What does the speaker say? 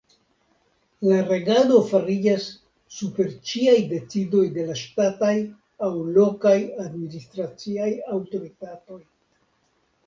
La regado fariĝas super ĉiaj decidoj de la ŝtataj aŭ lokaj administraciaj aŭtoritatoj.